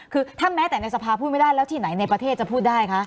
คือถ้าแม้แต่ในสภาพูดไม่ได้แล้วที่ไหนในประเทศจะพูดได้คะ